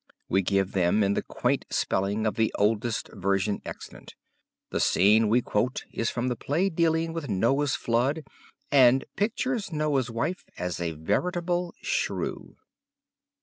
We give them in the quaint spelling of the oldest version extant. The scene we quote is from the play dealing with Noah's flood and pictures Noah's wife as a veritable shrew.